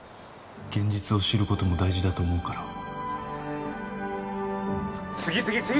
現実を知ることも大事だと思うから